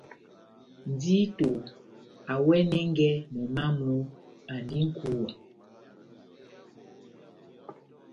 Ndito awɛnɛngɛ momó wamu, andi nʼkúwa.